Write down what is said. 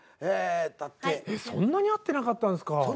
えっそんなに会ってなかったんですか。